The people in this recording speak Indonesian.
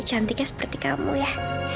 cantiknya seperti kamu ya